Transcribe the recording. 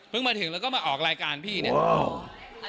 มาถึงแล้วก็มาออกรายการพี่เนี่ย